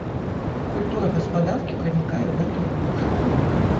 Культура гаспадаркі пранікае ў гэтую глуш.